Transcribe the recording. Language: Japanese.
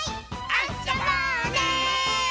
あそぼうね！